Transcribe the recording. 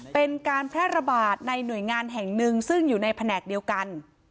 เป็นการแพร่ระบาดในหน่วยงานแห่งหนึ่งซึ่งอยู่ในแผนกเดียวกัน